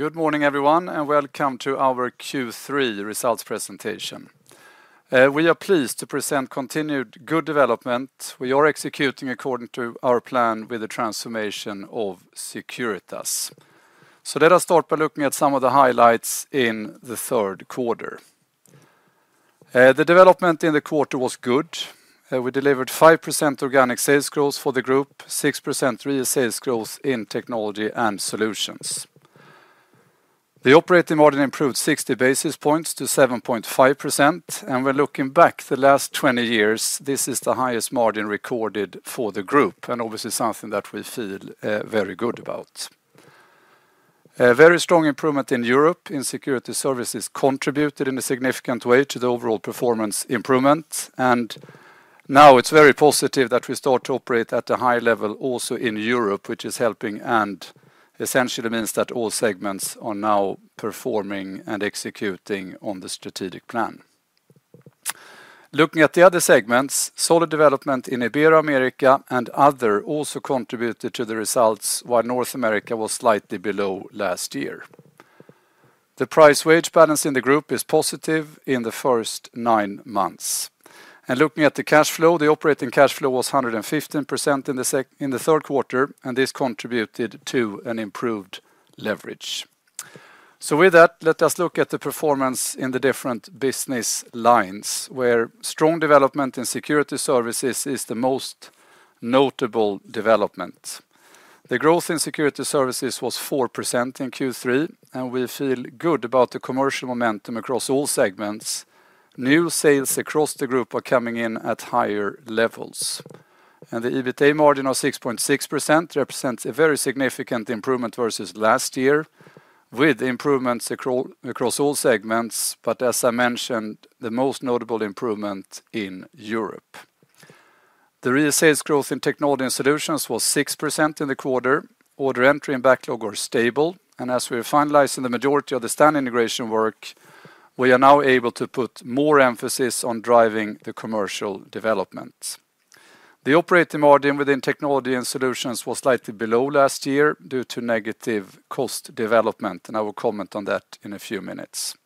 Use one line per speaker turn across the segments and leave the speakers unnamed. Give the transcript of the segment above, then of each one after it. Good morning, everyone, and welcome to our Q3 results presentation. We are pleased to present continued good development. We are executing according to our plan with the transformation of Securitas, so let us start by looking at some of the highlights in the third quarter. The development in the quarter was good. We delivered 5% organic sales growth for the group, 6% real sales growth in Technology and Solutions. The operating margin improved 60 basis points to 7.5%, and when looking back the last 20 years, this is the highest margin recorded for the group, and obviously something that we feel very good about. Very strong improvement in Europe. In Security Services contributed in a significant way to the overall performance improvement. Now it's very positive that we start to operate at a high level also in Europe, which is helping and essentially means that all segments are now performing and executing on the strategic plan. Looking at the other segments, solid development in Iberoamerica and other also contributed to the results, while North America was slightly below last year. The price-wage balance in the group is positive in the first nine months. Looking at the cash flow, the operating cash flow was 115% in the third quarter, and this contributed to an improved leverage. With that, let us look at the performance in the different business lines, where strong development in security services is the most notable development. The growth in security services was 4% in Q3, and we feel good about the commercial momentum across all segments. New sales across the group are coming in at higher levels, and the EBITDA margin of 6.6% represents a very significant improvement versus last year, with improvements across all segments, but as I mentioned, the most notable improvement in Europe. The real sales growth in Technology and Solutions was 6% in the quarter. Order entry and backlog are stable, and as we are finalizing the majority of the Stanley integration work, we are now able to put more emphasis on driving the commercial development. The operating margin within Technology and Solutions was slightly below last year due to negative cost development, and I will comment on that in a few minutes,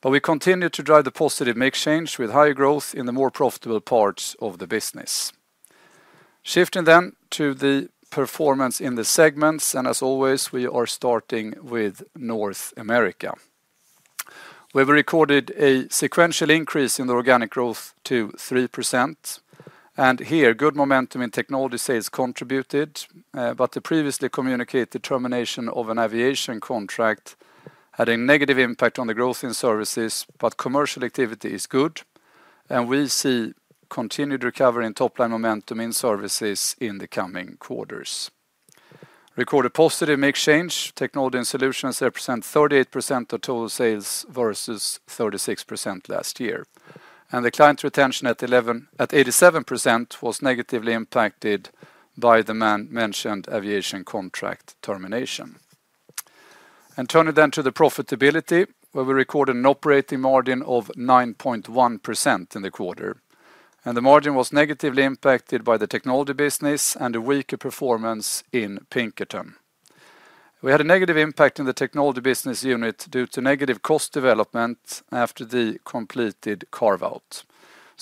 but we continue to drive the positive mix change with higher growth in the more profitable parts of the business. Shifting then to the performance in the segments, and as always, we are starting with North America. We have recorded a sequential increase in the organic growth to 3%. And here, good momentum in technology sales contributed, but the previously communicated termination of an aviation contract had a negative impact on the growth in services, but commercial activity is good. And we see continued recovery in top-line momentum in services in the coming quarters. Recorded positive mix change. Technology and solutions represent 38% of total sales versus 36% last year. And the client retention at 87% was negatively impacted by the mentioned aviation contract termination. And turning then to the profitability, where we recorded an operating margin of 9.1% in the quarter. And the margin was negatively impacted by the technology business and the weaker performance in Pinkerton. We had a negative impact in the technology business unit due to negative cost development after the completed carve-out.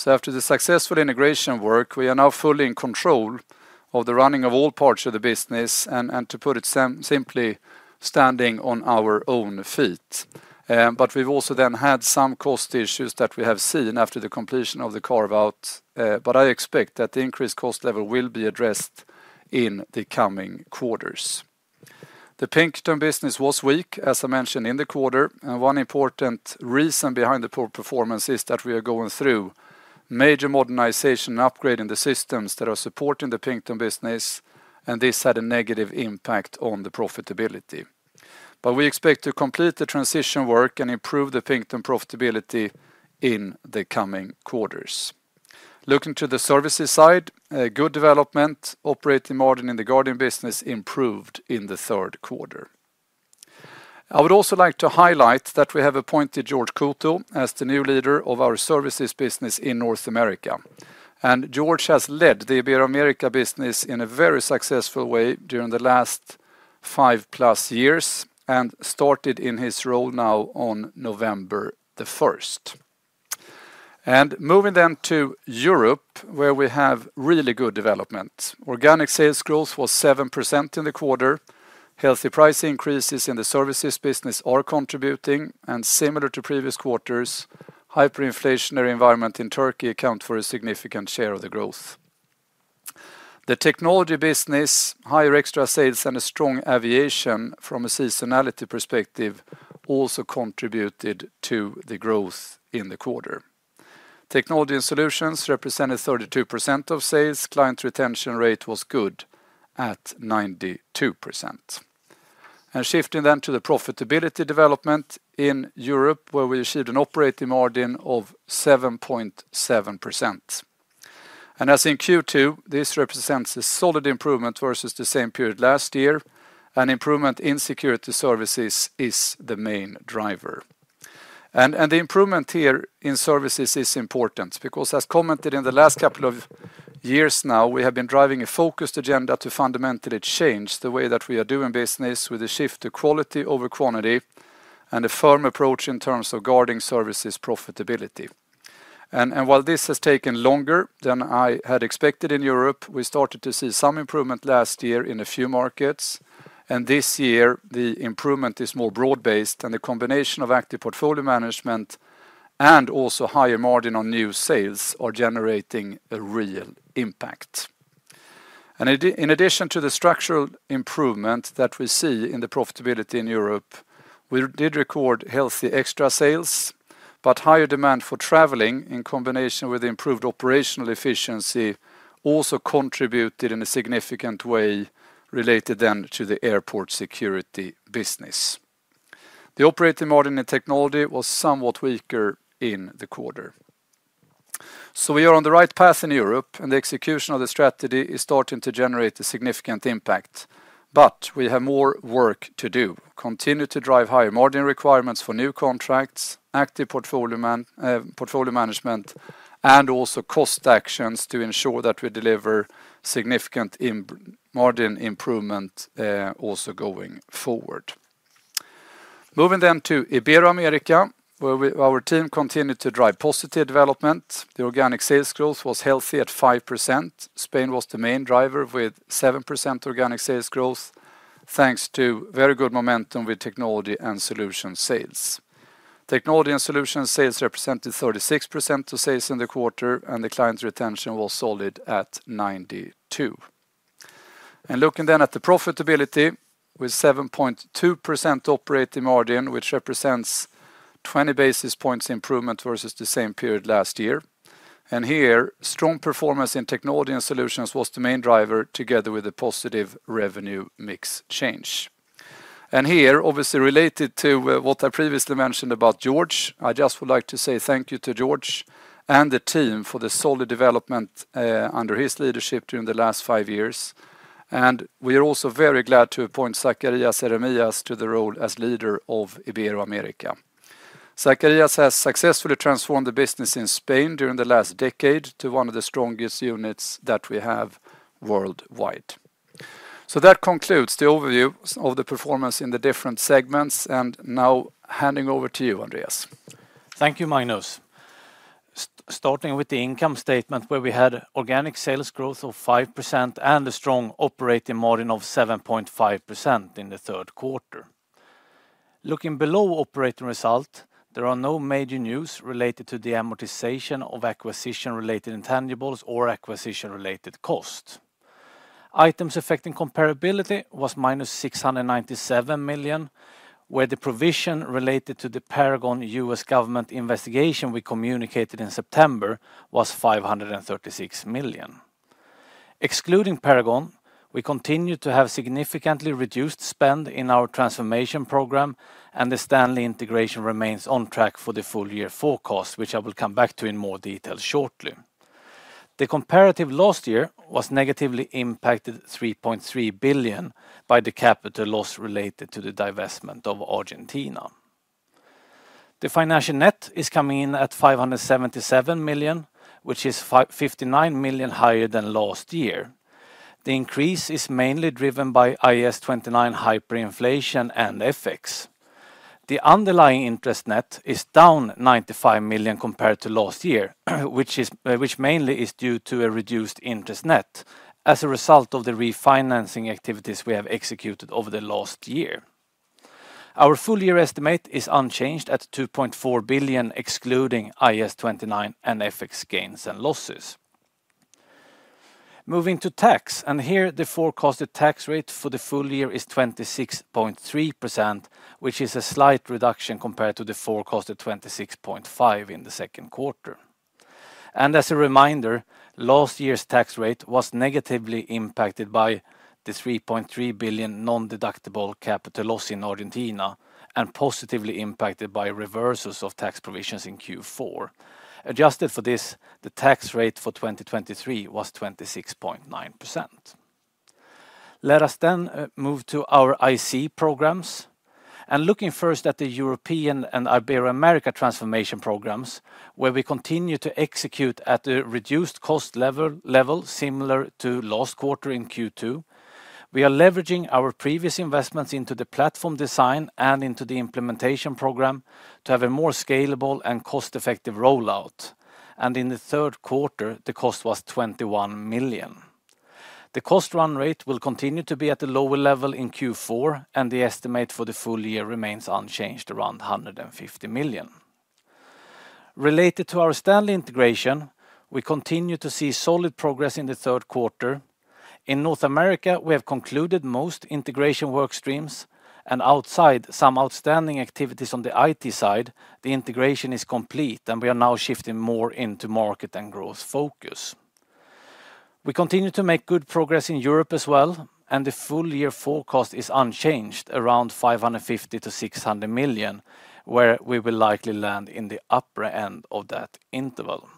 After the successful integration work, we are now fully in control of the running of all parts of the business and, to put it simply, standing on our own feet. But we've also then had some cost issues that we have seen after the completion of the carve-out, but I expect that the increased cost level will be addressed in the coming quarters. The Pinkerton business was weak, as I mentioned, in the quarter. And one important reason behind the poor performance is that we are going through major modernization and upgrading the systems that are supporting the Pinkerton business, and this had a negative impact on the profitability. But we expect to complete the transition work and improve the Pinkerton profitability in the coming quarters. Looking to the services side, good development, operating margin in the guarding business improved in the third quarter. I would also like to highlight that we have appointed Jorge Couto as the new leader of our services business in North America, and Jorge has led the Iberoamerica business in a very successful way during the last five plus years and started in his role now on November the first, and moving then to Europe, where we have really good development. Organic sales growth was 7% in the quarter. Healthy price increases in the services business are contributing, and similar to previous quarters, hyperinflationary environment in Turkey accounts for a significant share of the growth. The technology business, higher extra sales, and a strong aviation from a seasonality perspective also contributed to the growth in the quarter. Technology and solutions represented 32% of sales. Client retention rate was good at 92%, and shifting then to the profitability development in Europe, where we achieved an operating margin of 7.7%. And as in Q2, this represents a solid improvement versus the same period last year. And improvement in security services is the main driver. And the improvement here in services is important because, as commented in the last couple of years now, we have been driving a focused agenda to fundamentally change the way that we are doing business with a shift to quality over quantity and a firm approach in terms of guarding services profitability. And while this has taken longer than I had expected in Europe, we started to see some improvement last year in a few markets. And this year, the improvement is more broad-based, and the combination of active portfolio management and also higher margin on new sales are generating a real impact. In addition to the structural improvement that we see in the profitability in Europe, we did record healthy extra sales, but higher demand for traveling in combination with improved operational efficiency also contributed in a significant way related then to the airport security business. The operating margin in technology was somewhat weaker in the quarter. We are on the right path in Europe, and the execution of the strategy is starting to generate a significant impact. We have more work to do. Continue to drive higher margin requirements for new contracts, active portfolio management, and also cost actions to ensure that we deliver significant margin improvement also going forward. Moving then to Iberoamerica, where our team continued to drive positive development. The organic sales growth was healthy at 5%. Spain was the main driver with 7% organic sales growth, thanks to very good momentum with technology and solution sales. Technology and solution sales represented 36% of sales in the quarter, and the client retention was solid at 92%. And looking then at the profitability with 7.2% operating margin, which represents 20 basis points improvement versus the same period last year. And here, strong performance in technology and solutions was the main driver together with a positive revenue mix change. And here, obviously related to what I previously mentioned about Jorge, I just would like to say thank you to Jorge and the team for the solid development under his leadership during the last five years. And we are also very glad to appoint Zacarías Erimias to the role as leader of Iberoamerica. Zacarías has successfully transformed the business in Spain during the last decade to one of the strongest units that we have worldwide. That concludes the overview of the performance in the different segments, and now handing over to you, Andreas.
Thank you, Magnus. Starting with the income statement, where we had organic sales growth of 5% and a strong operating margin of 7.5% in the third quarter. Looking below operating result, there are no major news related to the amortization of acquisition-related intangibles or acquisition-related costs. Items Affecting Comparability was minus 697 million, where the provision related to the Paragon US government investigation we communicated in September was 536 million. Excluding Paragon, we continue to have significantly reduced spend in our transformation program, and the Stanley integration remains on track for the full year forecast, which I will come back to in more detail shortly. The comparative last year was negatively impacted 3.3 billion by the capital loss related to the divestment of Argentina. The financial net is coming in at 577 million, which is 59 million higher than last year. The increase is mainly driven by IAS 29 hyperinflation and FX. The underlying interest net is down 95 million compared to last year, which mainly is due to a reduced interest net as a result of the refinancing activities we have executed over the last year. Our full year estimate is unchanged at 2.4 billion, excluding IAS 29 and FX gains and losses. Moving to tax, and here the forecasted tax rate for the full year is 26.3%, which is a slight reduction compared to the forecasted 26.5% in the second quarter. And as a reminder, last year's tax rate was negatively impacted by the 3.3 billion non-deductible capital loss in Argentina and positively impacted by reversals of tax provisions in Q4. Adjusted for this, the tax rate for 2023 was 26.9%. Let us then move to our IAC programs. And looking first at the European and Iberoamerica transformation programs, where we continue to execute at a reduced cost level similar to last quarter in Q2, we are leveraging our previous investments into the platform design and into the implementation program to have a more scalable and cost-effective rollout. And in the third quarter, the cost was 21 million. The cost run rate will continue to be at a lower level in Q4, and the estimate for the full year remains unchanged around 150 million. Related to our Stanley integration, we continue to see solid progress in the third quarter. In North America, we have concluded most integration work streams, and outside some outstanding activities on the IT side, the integration is complete, and we are now shifting more into market and growth focus. We continue to make good progress in Europe as well, and the full-year forecast is unchanged around 550 million to 600 million, where we will likely land in the upper end of that interval.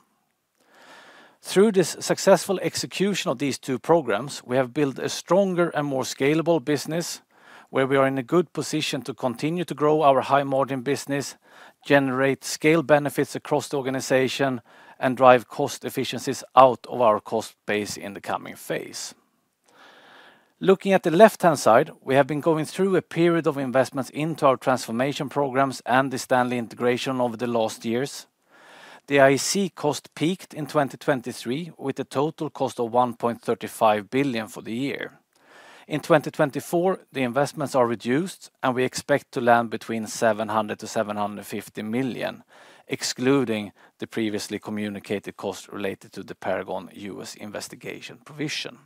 Through this successful execution of these two programs, we have built a stronger and more scalable business, where we are in a good position to continue to grow our high-margin business, generate scale benefits across the organization, and drive cost efficiencies out of our cost base in the coming phase. Looking at the left-hand side, we have been going through a period of investments into our transformation programs and the Stanley integration over the last years. The IAC cost peaked in 2023 with a total cost of 1.35 billion for the year. In 2024, the investments are reduced, and we expect to land between 700 million to 750 million, excluding the previously communicated cost related to the Paragon U.S. investigation provision.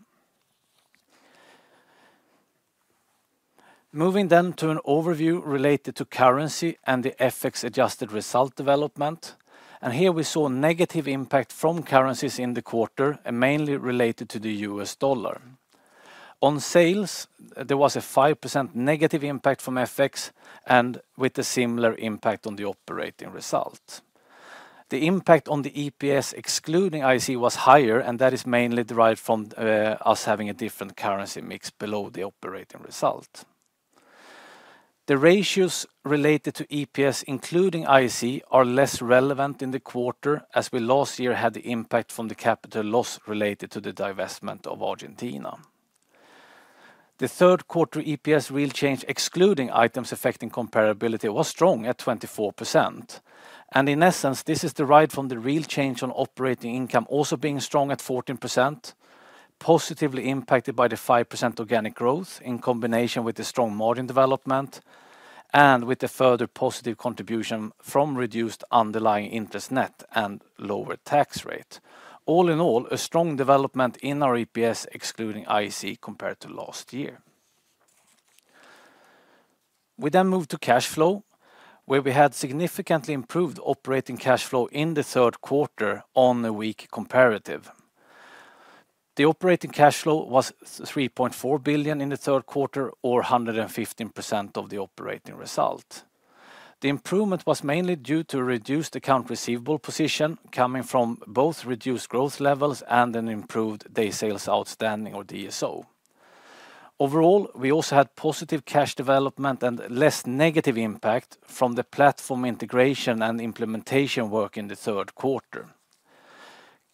Moving then to an overview related to currency and the FX adjusted result development. Here we saw negative impact from currencies in the quarter, mainly related to the U.S. dollar. On sales, there was a 5% negative impact from FX and with a similar impact on the operating result. The impact on the EPS excluding IC was higher, and that is mainly derived from us having a different currency mix below the operating result. The ratios related to EPS, including IC, are less relevant in the quarter, as we last year had the impact from the capital loss related to the divestment of Argentina. The third quarter EPS real change excluding items affecting comparability was strong at 24%. In essence, this is derived from the real change on operating income also being strong at 14%, positively impacted by the 5% organic growth in combination with the strong margin development and with the further positive contribution from reduced underlying interest net and lower tax rate. All in all, a strong development in our EPS excluding IC compared to last year. We then moved to cash flow, where we had significantly improved operating cash flow in the third quarter on a weak comparative. The operating cash flow was 3.4 billion in the third quarter, or 115% of the operating result. The improvement was mainly due to reduced accounts receivable position coming from both reduced growth levels and an improved day sales outstanding or DSO. Overall, we also had positive cash development and less negative impact from the platform integration and implementation work in the third quarter.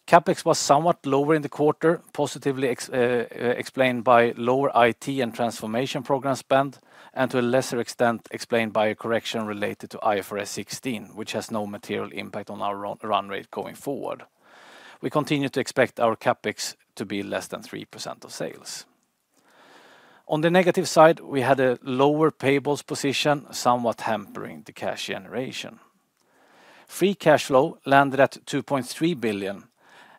CapEx was somewhat lower in the quarter, positively explained by lower IT and transformation program spend, and to a lesser extent explained by a correction related to IFRS 16, which has no material impact on our run rate going forward. We continue to expect our CapEx to be less than 3% of sales. On the negative side, we had a lower payables position, somewhat hampering the cash generation. Free cash flow landed at 2.3 billion,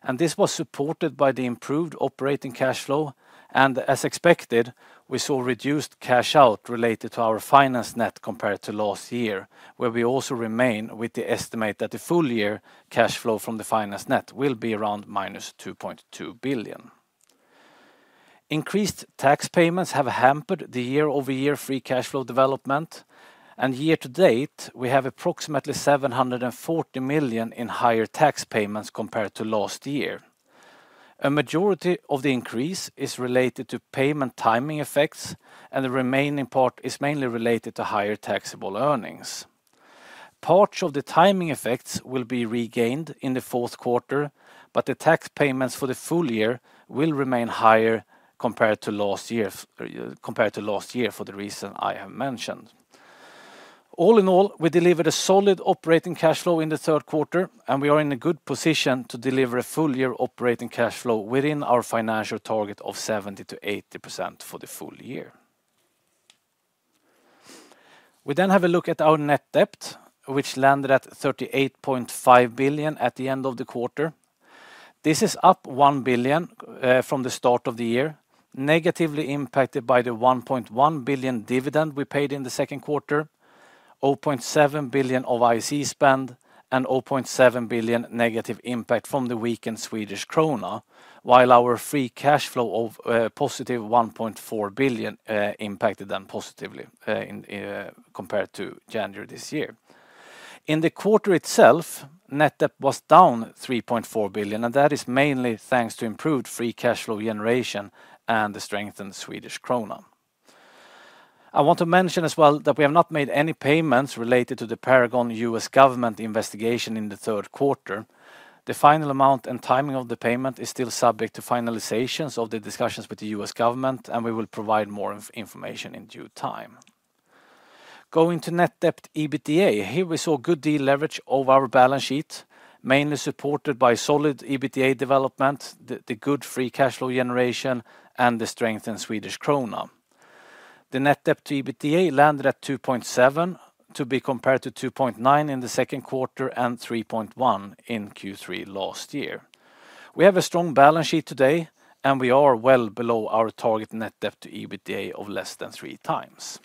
and this was supported by the improved operating cash flow, and as expected, we saw reduced cash out related to our finance net compared to last year, where we also remain with the estimate that the full year cash flow from the finance net will be around minus 2.2 billion. Increased tax payments have hampered the year-over-year free cash flow development, and year to date, we have approximately 740 million in higher tax payments compared to last year. A majority of the increase is related to payment timing effects, and the remaining part is mainly related to higher taxable earnings. Parts of the timing effects will be regained in the fourth quarter, but the tax payments for the full year will remain higher compared to last year for the reason I have mentioned. All in all, we delivered a solid operating cash flow in the third quarter, and we are in a good position to deliver a full year operating cash flow within our financial target of 70%-80% for the full year. We then have a look at our net debt, which landed at 38.5 billion at the end of the quarter. This is up 1 billion from the start of the year, negatively impacted by the 1.1 billion dividend we paid in the second quarter, 0.7 billion of IAC spend, and 0.7 billion negative impact from the weakened Swedish krona, while our free cash flow of positive 1.4 billion impacted them positively compared to January this year. In the quarter itself, net debt was down 3.4 billion, and that is mainly thanks to improved free cash flow generation and the strengthened Swedish krona. I want to mention as well that we have not made any payments related to the Paragon U.S. government investigation in the third quarter. The final amount and timing of the payment is still subject to finalizations of the discussions with the U.S. government, and we will provide more information in due time. Going to net debt EBITDA, here we saw good deleveraging of our balance sheet, mainly supported by solid EBITDA development, the good free cash flow generation, and the strengthened Swedish krona. The net debt to EBITDA landed at 2.7 to be compared to 2.9 in the second quarter and 3.1 in Q3 last year. We have a strong balance sheet today, and we are well below our target net debt to EBITDA of less than three times.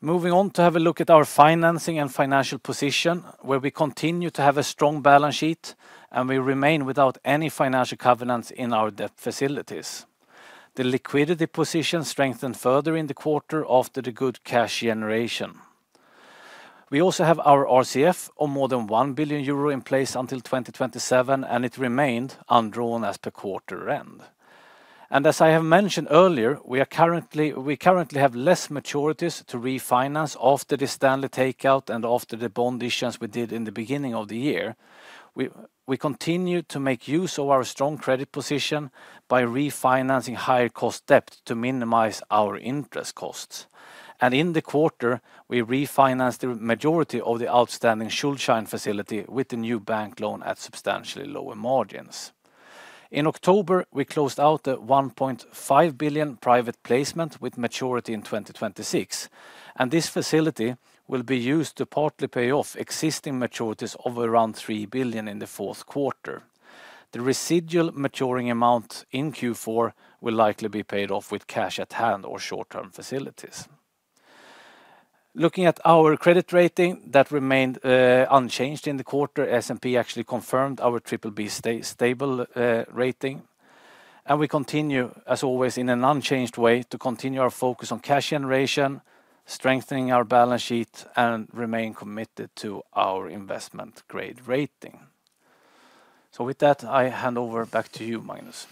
Moving on to have a look at our financing and financial position, where we continue to have a strong balance sheet, and we remain without any financial covenants in our debt facilities. The liquidity position strengthened further in the quarter after the good cash generation. We also have our RCF of more than 1 billion euro in place until 2027, and it remained undrawn as per quarter end. And as I have mentioned earlier, we currently have less maturities to refinance after the Stanley takeout and after the bond issues we did in the beginning of the year. We continue to make use of our strong credit position by refinancing higher cost debt to minimize our interest costs. And in the quarter, we refinanced the majority of the outstanding Schuldschein facility with the new bank loan at substantially lower margins. In October, we closed out the 1.5 billion private placement with maturity in 2026, and this facility will be used to partly pay off existing maturities of around 3 billion in the fourth quarter. The residual maturing amount in Q4 will likely be paid off with cash at hand or short-term facilities. Looking at our credit rating, that remained unchanged in the quarter. S&P actually confirmed our triple B stable rating, and we continue, as always, in an unchanged way to continue our focus on cash generation, strengthening our balance sheet, and remain committed to our investment grade rating, so with that, I hand over back to you, Magnus.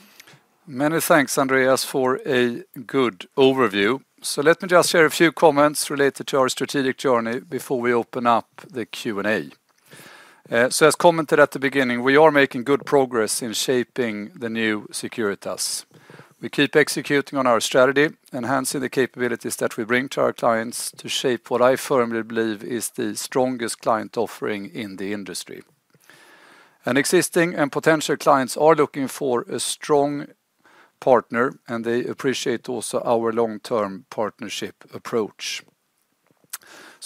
Many thanks, Andreas, for a good overview, so let me just share a few comments related to our strategic journey before we open up the Q&A, so as commented at the beginning, we are making good progress in shaping the new Securitas. We keep executing on our strategy, enhancing the capabilities that we bring to our clients to shape what I firmly believe is the strongest client offering in the industry, and existing and potential clients are looking for a strong partner, and they appreciate also our long-term partnership approach.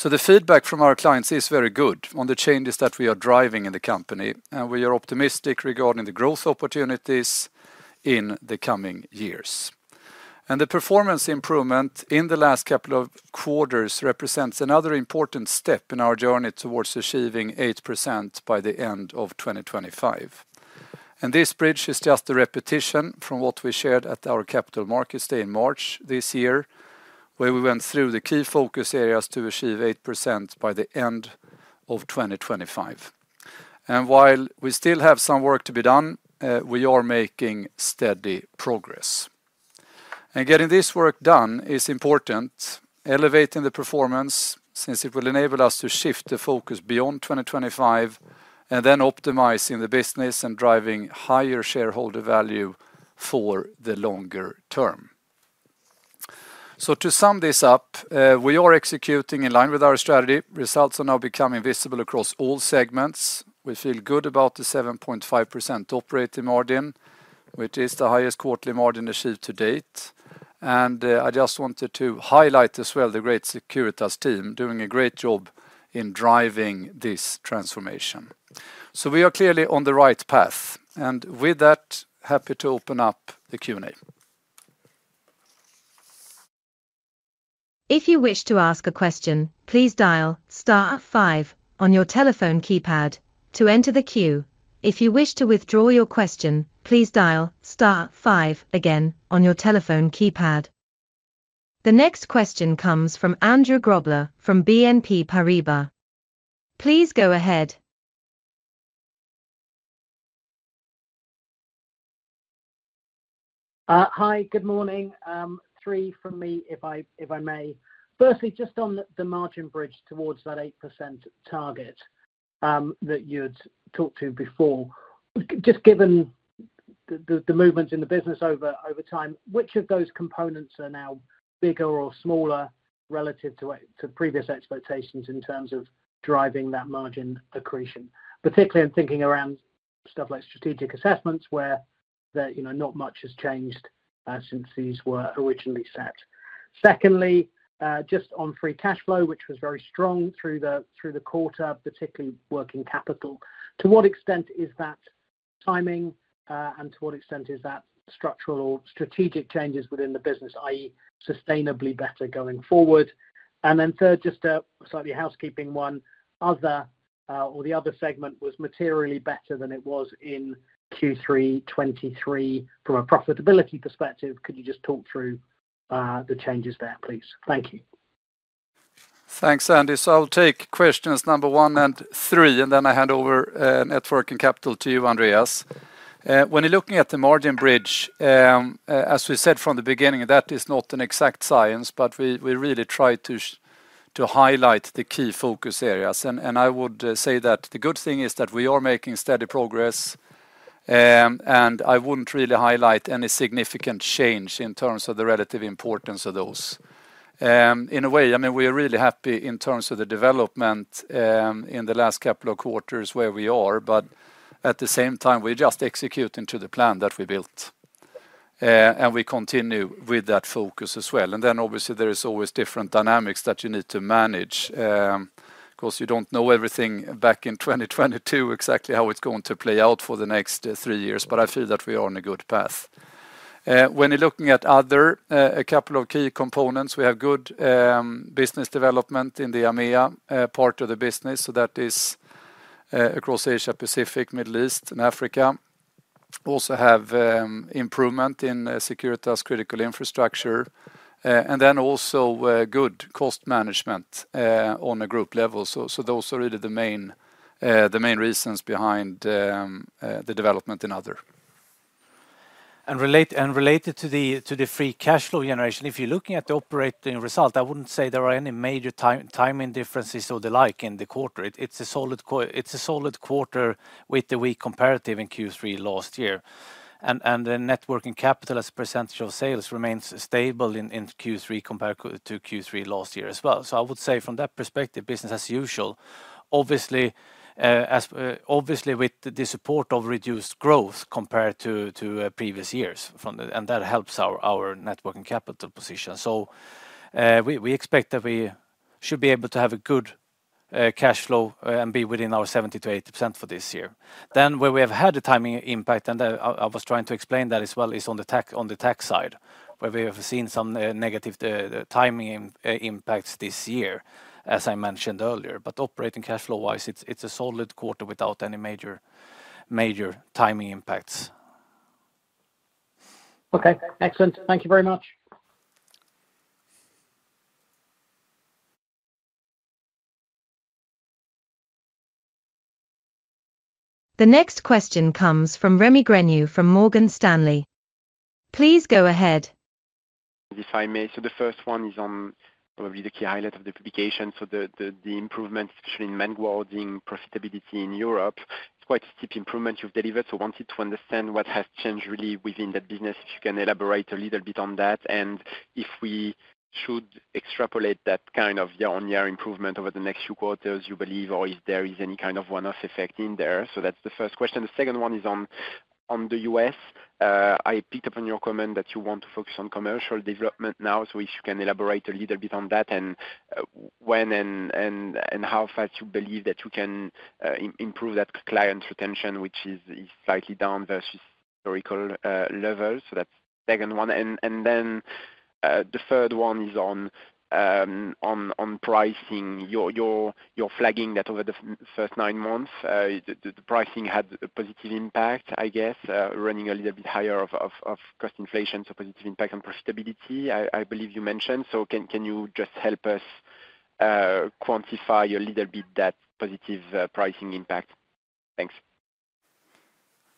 The feedback from our clients is very good on the changes that we are driving in the company, and we are optimistic regarding the growth opportunities in the coming years. The performance improvement in the last couple of quarters represents another important step in our journey towards achieving 8% by the end of 2025. This bridge is just a repetition from what we shared at our Capital Markets Day in March this year, where we went through the key focus areas to achieve 8% by the end of 2025. While we still have some work to be done, we are making steady progress. Getting this work done is important, elevating the performance since it will enable us to shift the focus beyond 2025 and then optimizing the business and driving higher shareholder value for the longer term. So to sum this up, we are executing in line with our strategy. Results are now becoming visible across all segments. We feel good about the 7.5% operating margin, which is the highest quarterly margin achieved to date, and I just wanted to highlight as well the great Securitas team doing a great job in driving this transformation, so we are clearly on the right path, and with that, happy to open up the Q&A.
If you wish to ask a question, please dial star five on your telephone keypad to enter the queue. If you wish to withdraw your question, please dial star five again on your telephone keypad. The next question comes from Andrew Grobler from BNP Paribas. Please go ahead.
Hi, good morning. Three from me, if I may. Firstly, just on the margin bridge towards that 8% target that you had talked to before, just given the movements in the business over time, which of those components are now bigger or smaller relative to previous expectations in terms of driving that margin accretion, particularly in thinking around stuff like strategic assessments where not much has changed since these were originally set? Secondly, just on free cash flow, which was very strong through the quarter, particularly working capital. To what extent is that timing, and to what extent is that structural or strategic changes within the business, i.e., sustainably better going forward? And then third, just a slightly housekeeping one, or the other segment was materially better than it was in Q3 2023 from a profitability perspective. Could you just talk through the changes there, please? Thank you.
Thanks, Andy. So I'll take questions number one and three, and then I hand over working capital to you, Andreas. When you're looking at the margin bridge, as we said from the beginning, that is not an exact science, but we really try to highlight the key focus areas. And I would say that the good thing is that we are making steady progress, and I wouldn't really highlight any significant change in terms of the relative importance of those. In a way, I mean, we are really happy in terms of the development in the last couple of quarters where we are, but at the same time, we're just executing to the plan that we built, and we continue with that focus as well. Then obviously, there are always different dynamics that you need to manage because you don't know everything back in 2022 exactly how it's going to play out for the next three years, but I feel that we are on a good path. When you're looking at other a couple of key components, we have good business development in the AMEA part of the business, so that is across Asia, Pacific, Middle East, and Africa. Also have improvement in Securitas Critical Infrastructure, and then also good cost management on a group level. So those are really the main reasons behind the development in other.
And related to the free cash flow generation, if you're looking at the operating result, I wouldn't say there are any major timing differences or the like in the quarter. It's a solid quarter with the weak comparative in Q3 last year. And the net working capital as a percentage of sales remains stable in Q3 compared to Q3 last year as well. So I would say from that perspective, business as usual, obviously with the support of reduced growth compared to previous years, and that helps our net working capital position. So we expect that we should be able to have a good cash flow and be within our 70%-80% for this year. Then where we have had a timing impact, and I was trying to explain that as well, is on the tech side, where we have seen some negative timing impacts this year, as I mentioned earlier. But operating cash flow-wise, it's a solid quarter without any major timing impacts.
Okay, excellent. Thank you very much. The next question comes from Rémy Grenu from Morgan Stanley. Please go ahead.
If I may, so the first one is on probably the key highlight of the publication. So the improvement, especially in manning profitability in Europe, it's quite a steep improvement you've delivered. So I wanted to understand what has changed really within that business, if you can elaborate a little bit on that. And if we should extrapolate that kind of year-on-year improvement over the next few quarters, you believe, or if there is any kind of one-off effect in there. So that's the first question. The second one is on the U.S. I picked up on your comment that you want to focus on commercial development now. So if you can elaborate a little bit on that and when and how fast you believe that you can improve that client retention, which is slightly down versus historical levels. So that's the second one. And then the third one is on pricing. You're flagging that over the first nine months, the pricing had a positive impact, I guess, running a little bit higher of cost inflation, so positive impact on profitability, I believe you mentioned. So can you just help us quantify a little bit that positive pricing impact?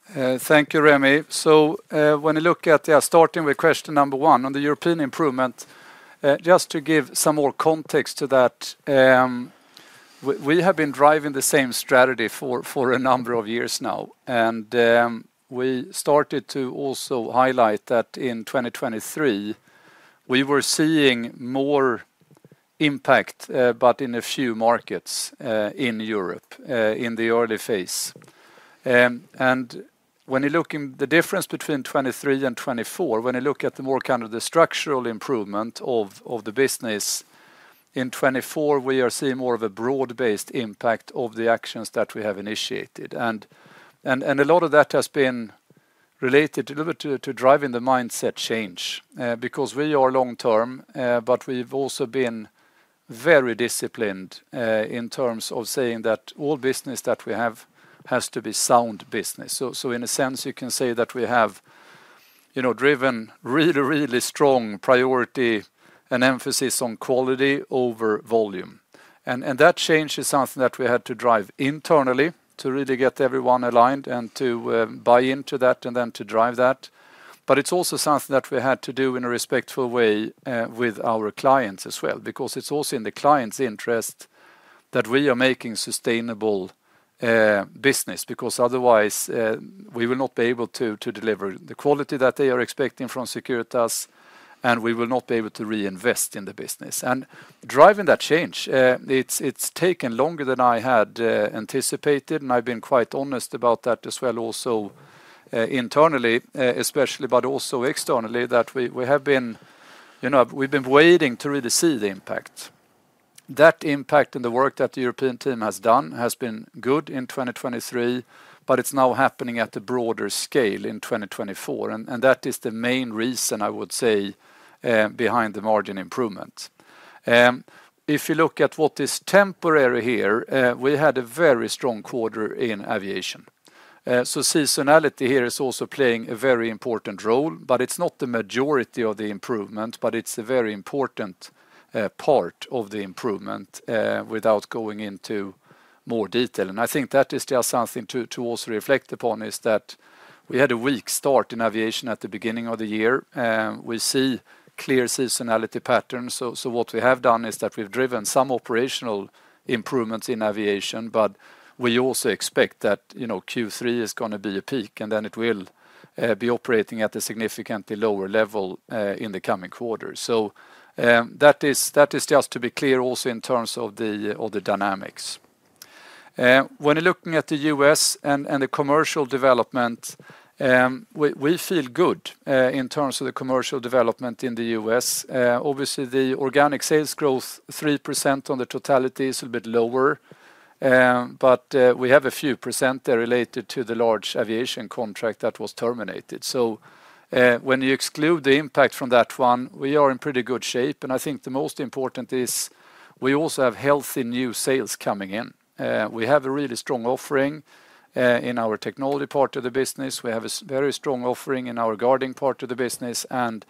Thanks.
Thank you, Rémy. So when you look at, yeah, starting with question number one on the European improvement, just to give some more context to that, we have been driving the same strategy for a number of years now. And we started to also highlight that in 2023, we were seeing more impact, but in a few markets in Europe in the early phase. When you look in the difference between 2023 and 2024, when you look at the more kind of the structural improvement of the business, in 2024, we are seeing more of a broad-based impact of the actions that we have initiated. And a lot of that has been related to driving the mindset change because we are long-term, but we've also been very disciplined in terms of saying that all business that we have has to be sound business. So in a sense, you can say that we have driven really, really strong priority and emphasis on quality over volume. And that change is something that we had to drive internally to really get everyone aligned and to buy into that and then to drive that. But it's also something that we had to do in a respectful way with our clients as well because it's also in the client's interest that we are making sustainable business because otherwise, we will not be able to deliver the quality that they are expecting from Securitas, and we will not be able to reinvest in the business, and driving that change, it's taken longer than I had anticipated, and I've been quite honest about that as well also internally, especially, but also externally that we've been waiting to really see the impact. That impact and the work that the European team has done has been good in 2023, but it's now happening at a broader scale in 2024, and that is the main reason, I would say, behind the margin improvement. If you look at what is temporary here, we had a very strong quarter in aviation. So seasonality here is also playing a very important role, but it's not the majority of the improvement, but it's a very important part of the improvement without going into more detail. And I think that is just something to also reflect upon, is that we had a weak start in aviation at the beginning of the year. We see clear seasonality patterns. So what we have done is that we've driven some operational improvements in aviation, but we also expect that Q3 is going to be a peak, and then it will be operating at a significantly lower level in the coming quarter. So that is just to be clear also in terms of the dynamics. When you're looking at the U.S. and the commercial development, we feel good in terms of the commercial development in the U.S. Obviously, the organic sales growth, 3% on the totality, is a bit lower, but we have a few percent that are related to the large aviation contract that was terminated. So when you exclude the impact from that one, we are in pretty good shape, and I think the most important is we also have healthy new sales coming in. We have a really strong offering in our technology part of the business. We have a very strong offering in our guarding part of the business, and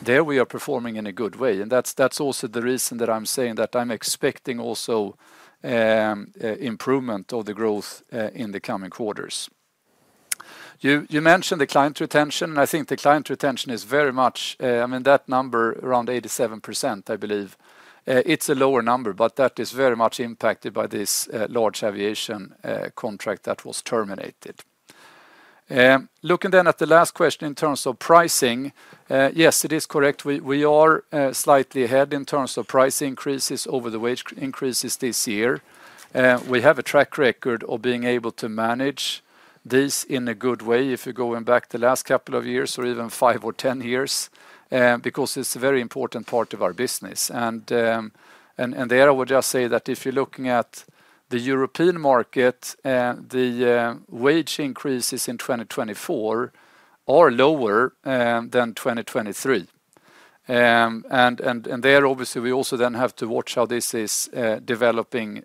there we are performing in a good way, and that's also the reason that I'm saying that I'm expecting also improvement of the growth in the coming quarters. You mentioned the client retention, and I think the client retention is very much, I mean, that number around 87%, I believe. It's a lower number, but that is very much impacted by this large aviation contract that was terminated. Looking then at the last question in terms of pricing, yes, it is correct. We are slightly ahead in terms of price increases over the wage increases this year. We have a track record of being able to manage this in a good way if you're going back the last couple of years or even five or 10 years because it's a very important part of our business, and there I would just say that if you're looking at the European market, the wage increases in 2024 are lower than 2023. And there, obviously, we also then have to watch how this is developing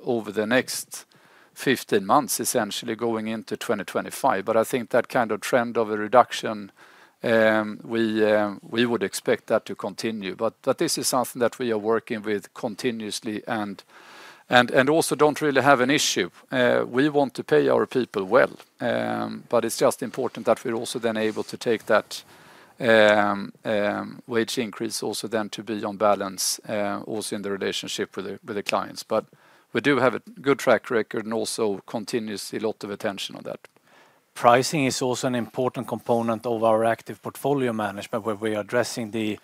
over the next 15 months, essentially going into 2025. But I think that kind of trend of a reduction, we would expect that to continue. But this is something that we are working with continuously and also don't really have an issue. We want to pay our people well, but it's just important that we're also then able to take that wage increase also then to be on balance also in the relationship with the clients. But we do have a good track record and also continuously a lot of attention on that.
Pricing is also an important component of our active portfolio management where we are addressing the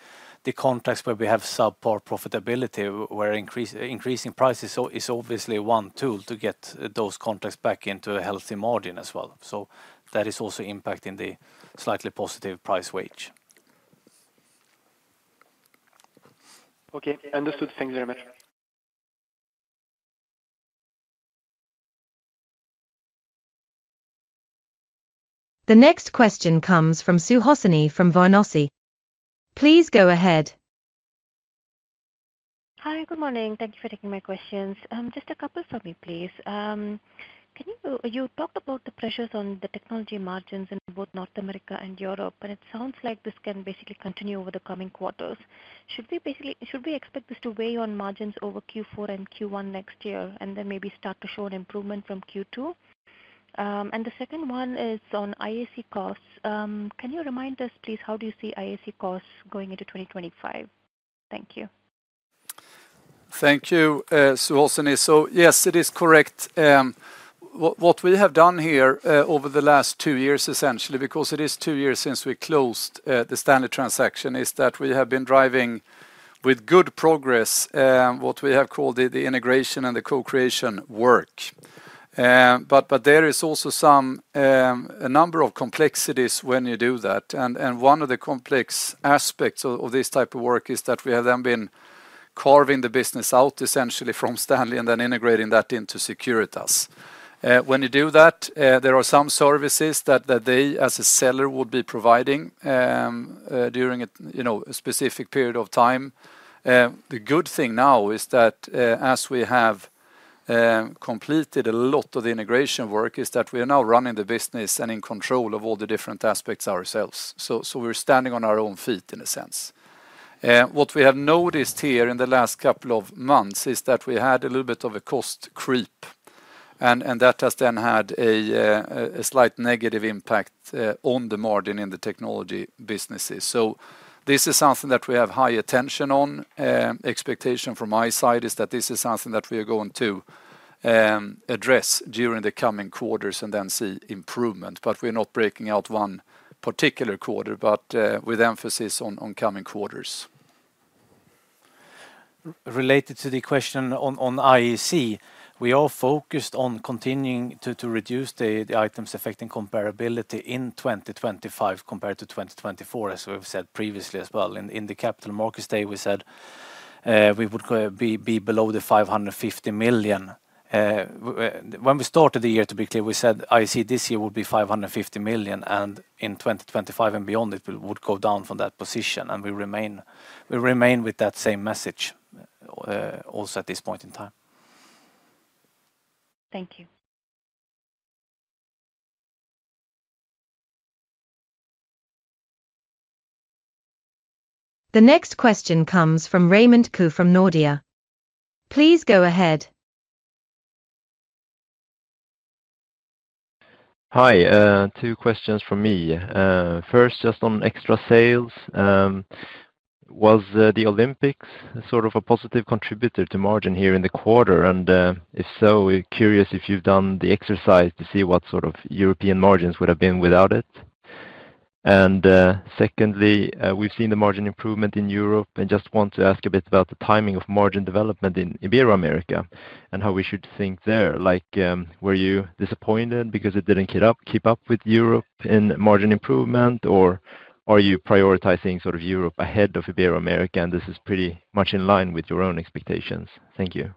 contracts where we have subpar profitability, where increasing prices is obviously one tool to get those contracts back into a healthy margin as well. So that is also impacting the slightly positive price-wage.
Okay, understood. Thank you very much.
The next question comes from Suhasini Varanasi. Please go ahead.
Hi, good morning. Thank you for taking my questions. Just a couple for me, please. You talked about the pressures on the technology margins in both North America and Europe, and it sounds like this can basically continue over the coming quarters. Should we expect this to weigh on margins over Q4 and Q1 next year and then maybe start to show an improvement from Q2? And the second one is on IAC costs. Can you remind us, please, how do you see IAC costs going into 2025? Thank you.
Thank you, Suhasini. So yes, it is correct. What we have done here over the last two years, essentially, because it is two years since we closed the Stanley transaction, is that we have been driving with good progress what we have called the integration and the co-creation work. But there is also a number of complexities when you do that. And one of the complex aspects of this type of work is that we have then been carving the business out, essentially from Stanley and then integrating that into Securitas. When you do that, there are some services that they, as a seller, will be providing during a specific period of time. The good thing now is that as we have completed a lot of the integration work, is that we are now running the business and in control of all the different aspects ourselves. So we're standing on our own feet in a sense. What we have noticed here in the last couple of months is that we had a little bit of a cost creep, and that has then had a slight negative impact on the margin in the technology businesses. So this is something that we have high attention on. Expectation from my side is that this is something that we are going to address during the coming quarters and then see improvement. But we're not breaking out one particular quarter, but with emphasis on coming quarters.
Related to the question on IAC, we are focused on continuing to reduce the items affecting comparability in 2025 compared to 2024, as we've said previously as well. In the Capital Markets Day, we said we would be below 550 million. When we started the year, to be clear, we said IAC this year would be 550 million, and in 2025 and beyond, it would go down from that position. And we remain with that same message also at this point in time.
Thank you.
The next question comes from Raymond Ke from Nordea. Please go ahead.
Hi, two questions from me. First, just on organic sales. Was the Olympics sort of a positive contributor to margin here in the quarter? And if so, curious if you've done the exercise to see what sort of European margins would have been without it. And secondly, we've seen the margin improvement in Europe and just want to ask a bit about the timing of margin development in Iberoamerica and how we should think there. Were you disappointed because it didn't keep up with Europe in margin improvement, or are you prioritizing sort of Europe ahead of Iberoamerica? And this is pretty much in line with your own expectations. Thank you.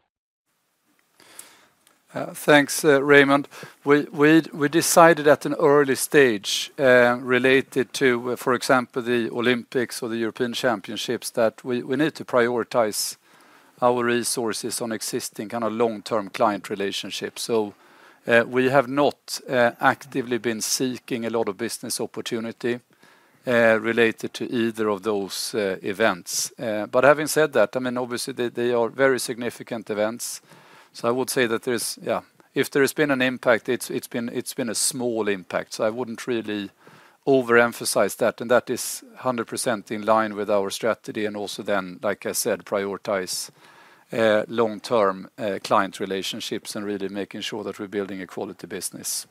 Thanks, Raymond. We decided at an early stage related to, for example, the Olympics or the European Championships that we need to prioritize our resources on existing kind of long-term client relationships. So we have not actively been seeking a lot of business opportunity related to either of those events. But having said that, I mean, obviously, they are very significant events. So I would say that there's, yeah, if there has been an impact, it's been a small impact. So I wouldn't really overemphasize that. That is 100% in line with our strategy and also then, like I said, prioritize long-term client relationships and really making sure that we're building a quality business.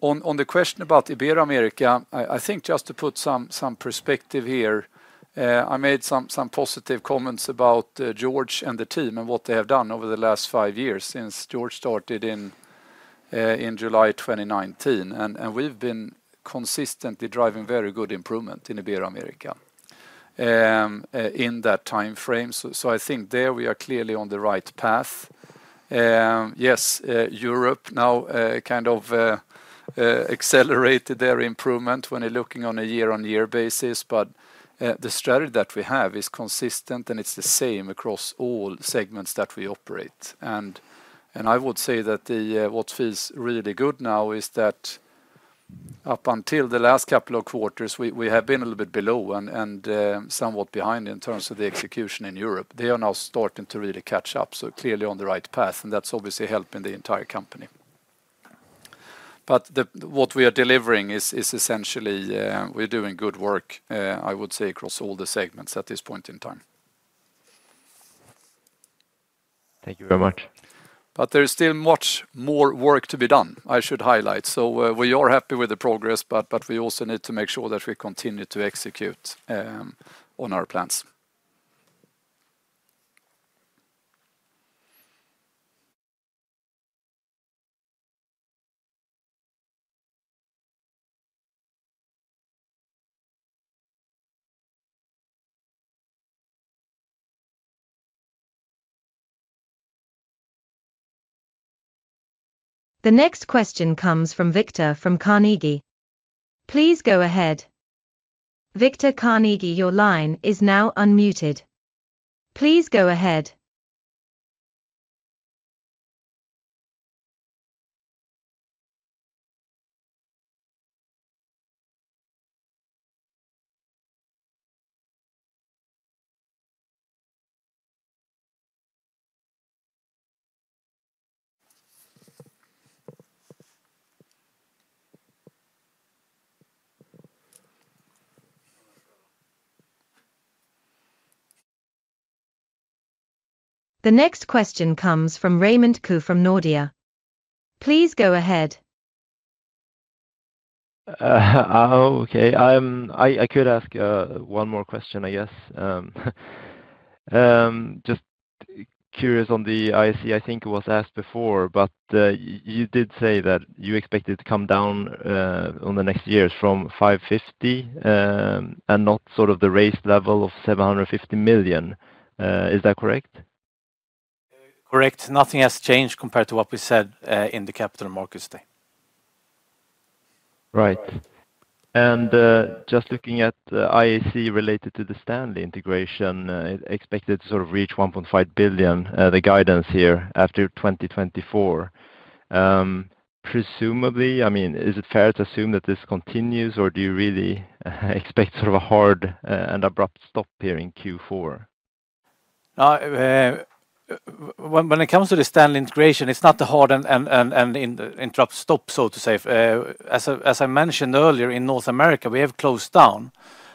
On the question about Iberoamerica, I think just to put some perspective here, I made some positive comments about Jorge and the team and what they have done over the last five years since Jorge started in July 2019. We've been consistently driving very good improvement in Iberoamerica in that time frame. So I think there we are clearly on the right path. Yes, Europe now kind of accelerated their improvement when you're looking on a year-on-year basis. The strategy that we have is consistent, and it's the same across all segments that we operate. And I would say that what feels really good now is that up until the last couple of quarters, we have been a little bit below and somewhat behind in terms of the execution in Europe. They are now starting to really catch up, so clearly on the right path. And that's obviously helping the entire company. But what we are delivering is essentially we're doing good work, I would say, across all the segments at this point in time.
Thank you very much.
But there is still much more work to be done, I should highlight. So we are happy with the progress, but we also need to make sure that we continue to execute on our plans.
The next question comes from Viktor from Carnegie. Please go ahead. Viktor Carnegie, your line is now unmuted. Please go ahead. The next question comes from Raymond Ke from Nordea. Please go ahead.
Okay. I could ask one more question, I guess. Just curious on the IAC, I think it was asked before, but you did say that you expected to come down in the next years from 550 million and not sort of the raised level of 750 million. Is that correct? Correct. Nothing has changed compared to what we said in the Capital Markets Day. Right. And just looking at IAC related to the Stanley integration, expected to sort of reach 1.5 billion, the guidance here after 2024. Presumably, I mean, is it fair to assume that this continues, or do you really expect sort of a hard and abrupt stop here in Q4?
When it comes to the Stanley integration, it's not a hard and abrupt stop, so to say. As I mentioned earlier, in North America, we have closed down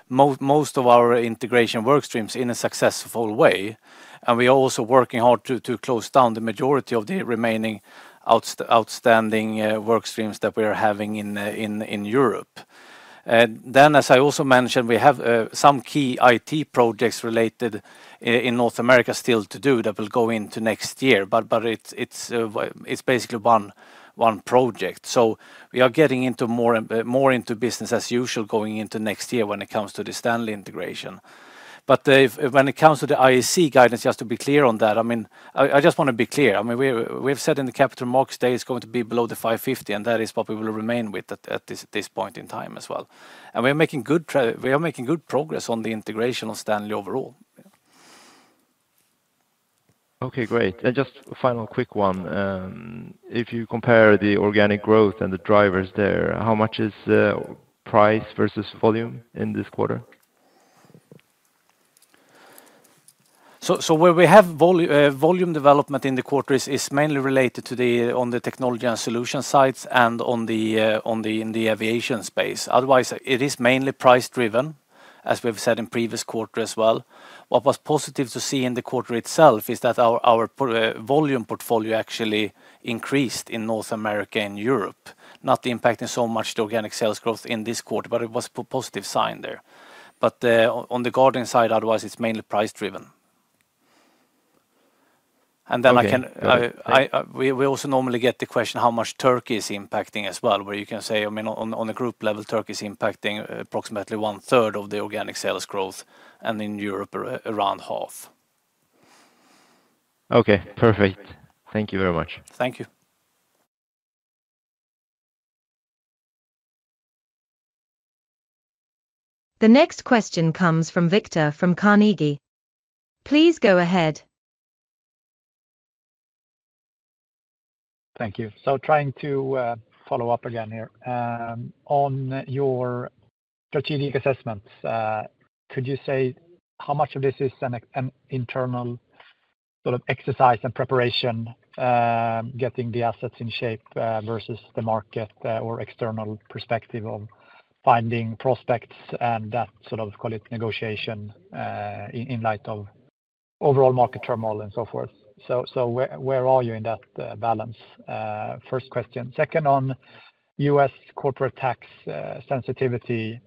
most of our integration workstreams in a successful way, and we are also working hard to close down the majority of the remaining outstanding workstreams that we are having in Europe. Then, as I also mentioned, we have some key IT projects related in North America still to do that will go into next year, but it's basically one project. So we are getting more into business as usual going into next year when it comes to the Stanley integration. But when it comes to the IAC guidance, just to be clear on that, I mean, I just want to be clear. I mean, we have said in the Capital Markets Day it's going to be below the 550, and that is what we will remain with at this point in time as well. And we are making good progress on the integration of Stanley overall.
Okay, great. And just a final quick one. If you compare the organic growth and the drivers there, how much is price versus volume in this quarter?
So where we have volume development in the quarters is mainly related to the technology and solutions side and in the aviation space. Otherwise, it is mainly price-driven, as we've said in previous quarters as well. What was positive to see in the quarter itself is that our volume portfolio actually increased in North America and Europe, not impacting so much the organic sales growth in this quarter, but it was a positive sign there. But on the guarding side, otherwise, it's mainly price-driven. And then we also normally get the question how much Turkey is impacting as well, where you can say, I mean, on a group level, Turkey is impacting approximately one-third of the organic sales growth, and in Europe, around half.
Okay, perfect. Thank you very much.
Thank you.
The next question comes from Viktor from Carnegie. Please go ahead. Thank you. So trying to follow up again here. On your strategic assessments, could you say how much of this is an internal sort of exercise and preparation, getting the assets in shape versus the market or external perspective of finding prospects and that sort of, call it, negotiation in light of overall market turmoil and so forth? So where are you in that balance? First question. Second, on U.S. corporate tax sensitivity,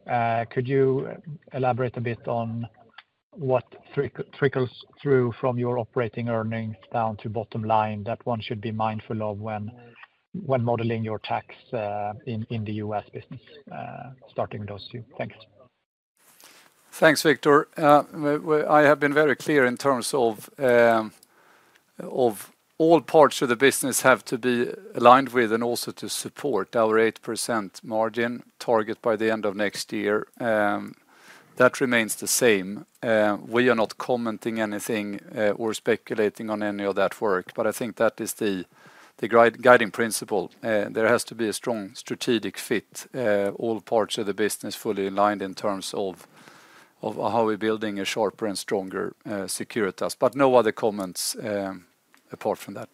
could you elaborate a bit on what trickles through from your operating earnings down to bottom line that one should be mindful of when modeling your tax in the U.S. business, starting with those two? Thanks.
Thanks, Viktor. I have been very clear in terms of all parts of the business have to be aligned with and also to support our 8% margin target by the end of next year. That remains the same. We are not commenting anything or speculating on any of that work. But I think that is the guiding principle. There has to be a strong strategic fit, all parts of the business fully aligned in terms of how we're building a sharper and stronger security task. But no other comments apart from that.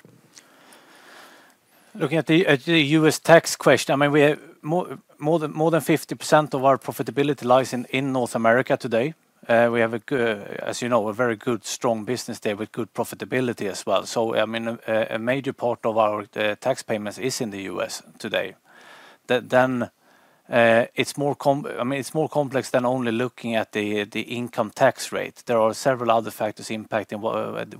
Looking at the U.S. tax question, I mean, more than 50% of our profitability lies in North America today. We have, as you know, a very good, strong business there with good profitability as well. So, I mean, a major part of our tax payments is in the U.S. today. Then it's more complex than only looking at the income tax rate. There are several other factors impacting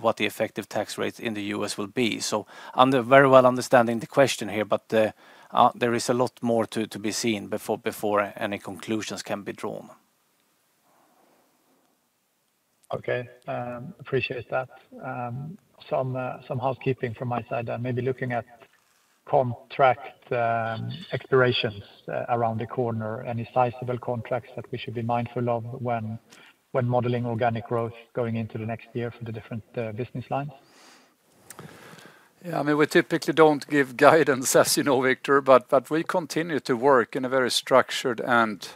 what the effective tax rates in the U.S. will be. So I'm very well understanding the question here, but there is a lot more to be seen before any conclusions can be drawn. Okay. Appreciate that. Some housekeeping from my side. Maybe looking at contract expirations around the corner, any sizable contracts that we should be mindful of when modeling organic growth going into the next year for the different business lines? Yeah, I mean, we typically don't give guidance, as you know, Viktor, but we continue to work in a very structured and,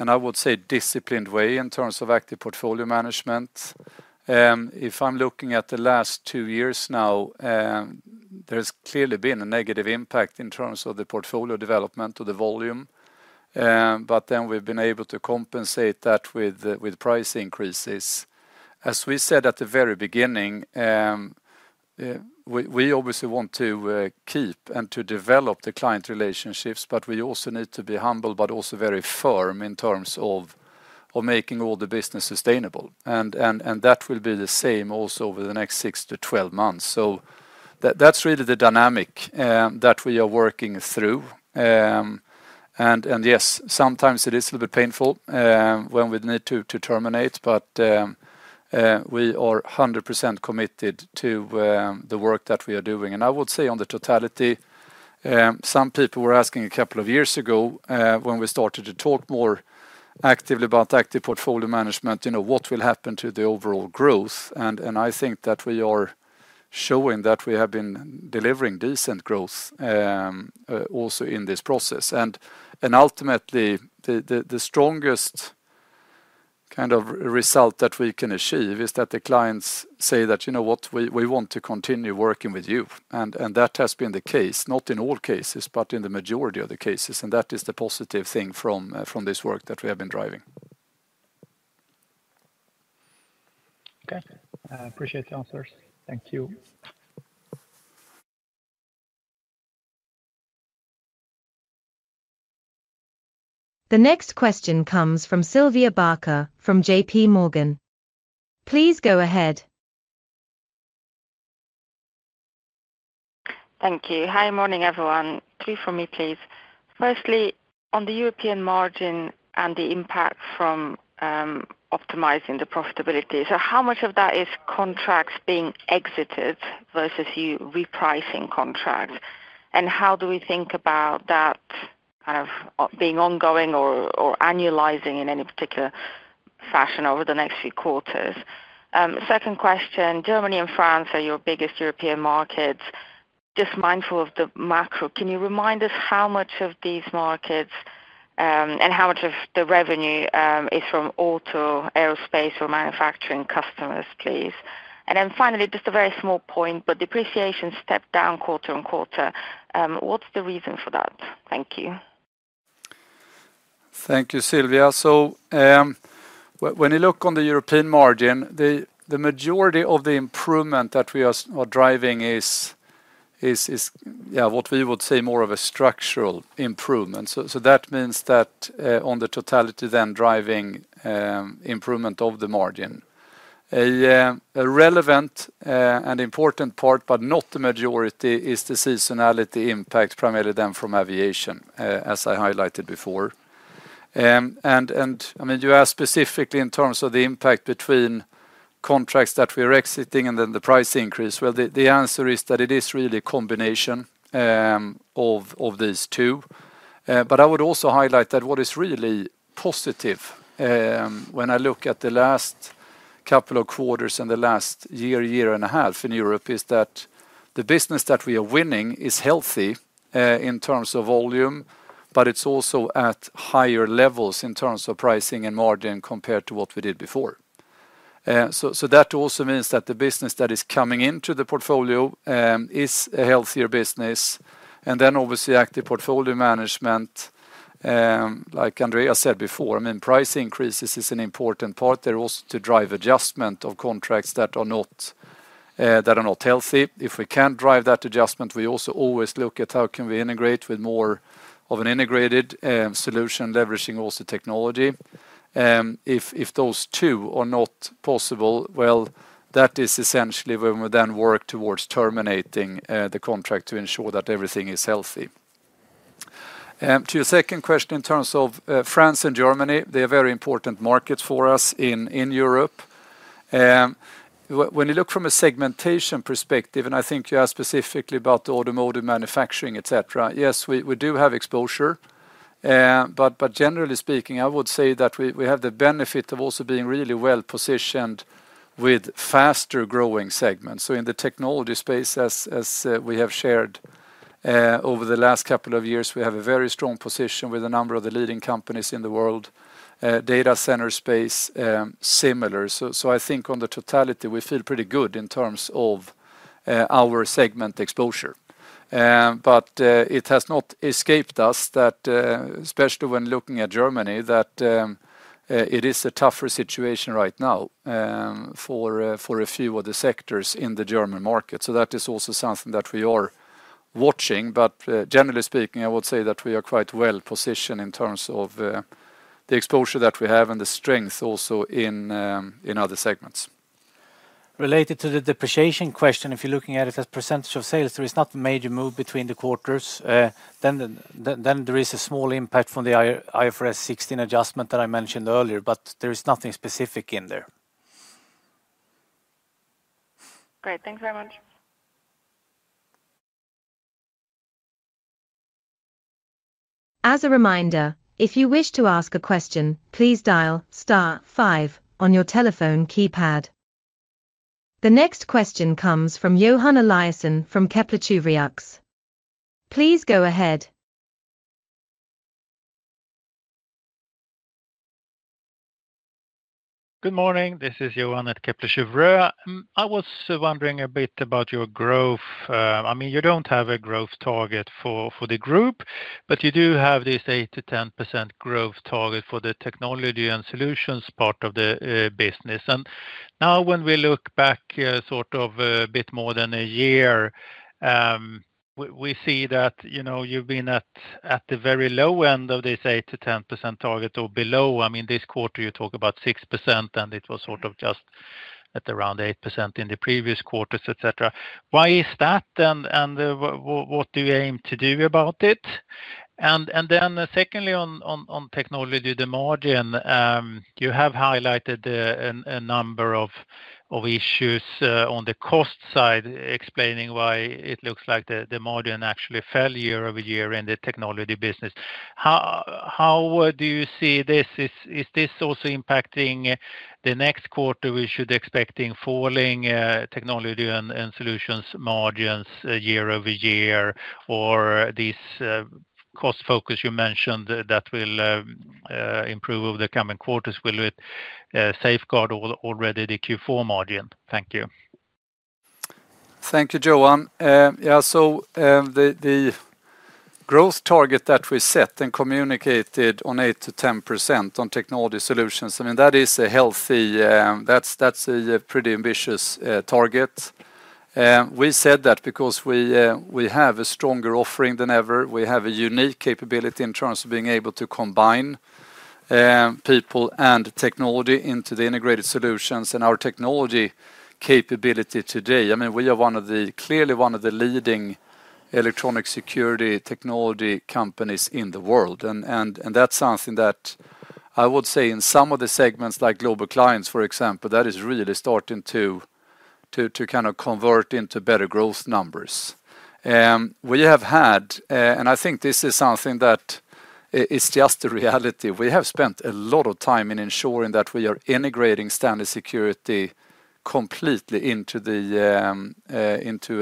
I would say, disciplined way in terms of active portfolio management. If I'm looking at the last two years now, there has clearly been a negative impact in terms of the portfolio development or the volume. But then we've been able to compensate that with price increases. As we said at the very beginning, we obviously want to keep and to develop the client relationships, but we also need to be humble, but also very firm in terms of making all the business sustainable. And that will be the same also over the next 6 to 12 months. So that's really the dynamic that we are working through. Yes, sometimes it is a little bit painful when we need to terminate, but we are 100% committed to the work that we are doing. I would say on the totality, some people were asking a couple of years ago when we started to talk more actively about active portfolio management, what will happen to the overall growth? I think that we are showing that we have been delivering decent growth also in this process. Ultimately, the strongest kind of result that we can achieve is that the clients say that, you know what, we want to continue working with you. That has been the case, not in all cases, but in the majority of the cases. That is the positive thing from this work that we have been driving. Okay. Appreciate the answers. Thank you.
The next question comes from Sylvia Barker from JP Morgan. Please go ahead.
Thank you. Hi, morning everyone. Three for me, please. Firstly, on the European margin and the impact from optimizing the profitability. So how much of that is contracts being exited versus repricing contracts? And how do we think about that kind of being ongoing or annualizing in any particular fashion over the next few quarters? Second question, Germany and France are your biggest European markets. Just mindful of the macro, can you remind us how much of these markets and how much of the revenue is from auto, aerospace, or manufacturing customers, please? And then finally, just a very small point, but depreciation stepped down quarter on quarter. What's the reason for that? Thank you.
Thank you, Sylvia. So when you look on the European margin, the majority of the improvement that we are driving is, yeah, what we would say more of a structural improvement. So that means that on the totality, then driving improvement of the margin. A relevant and important part, but not the majority, is the seasonality impact, primarily then from aviation, as I highlighted before. And I mean, you asked specifically in terms of the impact between contracts that we are exiting and then the price increase. Well, the answer is that it is really a combination of these two. But I would also highlight that what is really positive when I look at the last couple of quarters and the last year, year and a half in Europe is that the business that we are winning is healthy in terms of volume, but it's also at higher levels in terms of pricing and margin compared to what we did before. So that also means that the business that is coming into the portfolio is a healthier business. And then obviously Active Portfolio Management, like Andreas said before, I mean, price increases is an important part there also to drive adjustment of contracts that are not healthy. If we can't drive that adjustment, we also always look at how can we integrate with more of an integrated solution, leveraging also technology. If those two are not possible, well, that is essentially when we then work towards terminating the contract to ensure that everything is healthy. To your second question in terms of France and Germany, they are very important markets for us in Europe. When you look from a segmentation perspective, and I think you asked specifically about the automotive manufacturing, etc., yes, we do have exposure. But generally speaking, I would say that we have the benefit of also being really well positioned with faster growing segments. So in the technology space, as we have shared over the last couple of years, we have a very strong position with a number of the leading companies in the world, data center space, similar. So I think on the totality, we feel pretty good in terms of our segment exposure. But it has not escaped us that, especially when looking at Germany, that it is a tougher situation right now for a few of the sectors in the German market. So that is also something that we are watching. But generally speaking, I would say that we are quite well positioned in terms of the exposure that we have and the strength also in other segments.
Related to the depreciation question, if you're looking at it as percentage of sales, there is not a major move between the quarters. Then there is a small impact from the IFRS 16 adjustment that I mentioned earlier, but there is nothing specific in there.
Great. Thanks very much.
As a reminder, if you wish to ask a question, please dial star five on your telephone keypad. The next question comes from Johan Eliasson from Kepler Cheuvreux. Please go ahead.
Good morning. This is Johan at Kepler Cheuvreux. I was wondering a bit about your growth. I mean, you don't have a growth target for the group, but you do have this 8%-10% growth target for the technology and solutions part of the business. And now when we look back sort of a bit more than a year, we see that you've been at the very low end of this 8%-10% target or below. I mean, this quarter, you talk about 6%, and it was sort of just at around 8% in the previous quarters, etc. Why is that? And what do you aim to do about it? And then secondly, on technology, the margin, you have highlighted a number of issues on the cost side, explaining why it looks like the margin actually fell year-over-year in the technology business. How do you see this? Is this also impacting the next quarter? We should be expecting falling technology and solutions margins year-over-year, or this cost focus you mentioned that will improve over the coming quarters, will it safeguard already the Q4 margin? Thank you.
Thank you, Johan. Yeah, so the growth target that we set and communicated on 8%-10% on technology solutions, I mean, that is a healthy-that's a pretty ambitious target. We said that because we have a stronger offering than ever. We have a unique capability in terms of being able to combine people and technology into the integrated solutions. And our technology capability today, I mean, we are clearly one of the leading electronic security technology companies in the world. And that's something that I would say in some of the segments, like global clients, for example, that is really starting to kind of convert into better growth numbers. We have had, and I think this is something that is just a reality. We have spent a lot of time in ensuring that we are integrating Stanley Security completely into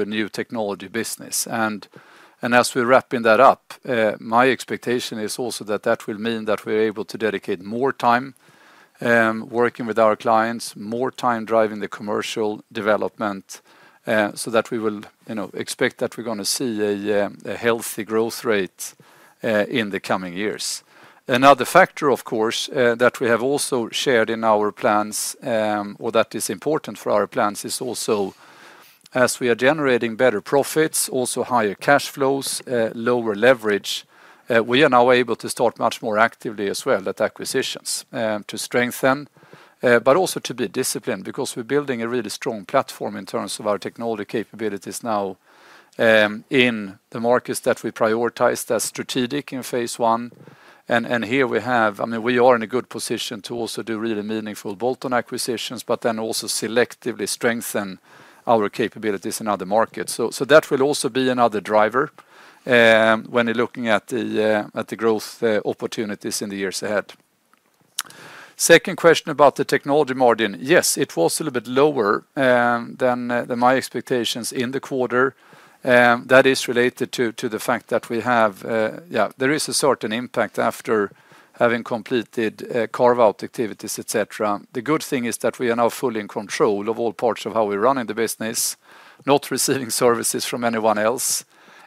a new technology business. And as we're wrapping that up, my expectation is also that that will mean that we're able to dedicate more time working with our clients, more time driving the commercial development, so that we will expect that we're going to see a healthy growth rate in the coming years. Another factor, of course, that we have also shared in our plans, or that is important for our plans, is also as we are generating better profits, also higher cash flows, lower leverage. We are now able to start much more actively as well at acquisitions to strengthen, but also to be disciplined because we're building a really strong platform in terms of our technology capabilities now in the markets that we prioritized as strategic in phase one. And here we have, I mean, we are in a good position to also do really meaningful bolt-on acquisitions, but then also selectively strengthen our capabilities in other markets. So that will also be another driver when you're looking at the growth opportunities in the years ahead. Second question about the technology margin. Yes, it was a little bit lower than my expectations in the quarter. That is related to the fact that we have, yeah, there is a certain impact after having completed carve-out activities, etc. The good thing is that we are now fully in control of all parts of how we run in the business, not receiving services from anyone else.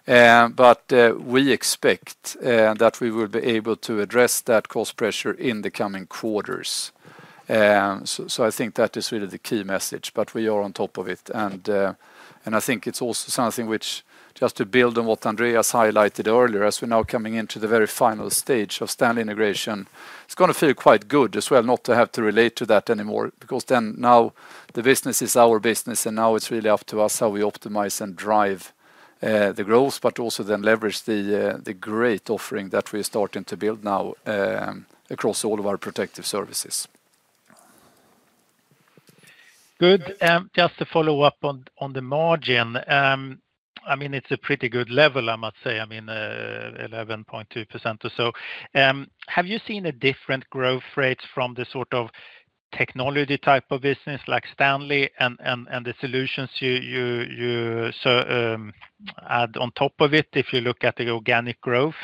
But we expect that we will be able to address that cost pressure in the coming quarters. So I think that is really the key message, but we are on top of it. I think it's also something which, just to build on what Andreas has highlighted earlier, as we're now coming into the very final stage of Stanley integration, it's going to feel quite good as well not to have to relate to that anymore because then now the business is our business and now it's really up to us how we optimize and drive the growth, but also then leverage the great offering that we are starting to build now across all of our Protective Services.
Good. Just to follow up on the margin, I mean, it's a pretty good level, I must say, I mean, 11.2% or so. Have you seen a different growth rate from the sort of technology type of business like Stanley and the solutions you add on top of it if you look at the organic growth?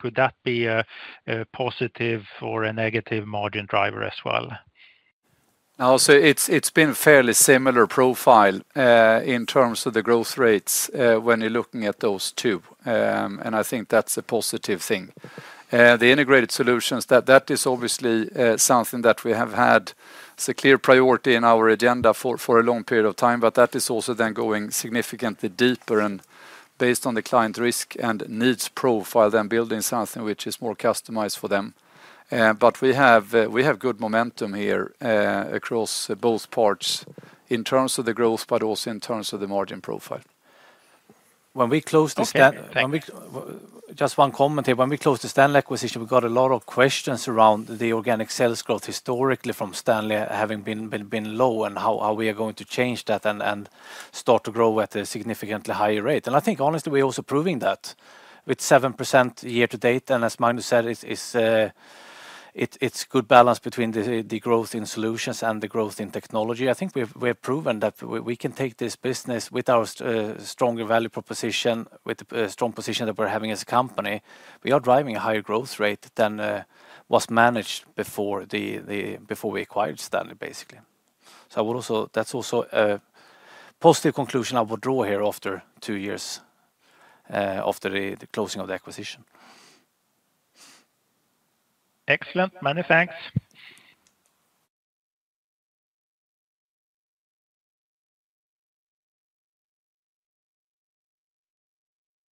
Could that be a positive or a negative margin driver as well?
No, so it's been a fairly similar profile in terms of the growth rates when you're looking at those two. I think that's a positive thing. The integrated solutions, that is obviously something that we have had as a clear priority in our agenda for a long period of time, but that is also then going significantly deeper and based on the client risk and needs profile, then building something which is more customized for them. We have good momentum here across both parts in terms of the growth, but also in terms of the margin profile.
When we close the, just one comment here. When we close the Stanley acquisition, we got a lot of questions around the organic sales growth historically from Stanley having been low and how we are going to change that and start to grow at a significantly higher rate. And I think honestly, we're also proving that with 7% year to date. And as Magnus said, it's a good balance between the growth in solutions and the growth in technology. I think we have proven that we can take this business with our stronger value proposition, with the strong position that we're having as a company. We are driving a higher growth rate than was managed before we acquired Stanley, basically. So that's also a positive conclusion I would draw here after two years after the closing of the acquisition.
Excellent. Many thanks.